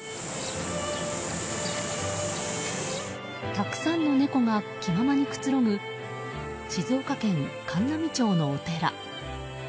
たくさんの猫が気ままにくつろぐ静岡県函南町のお寺。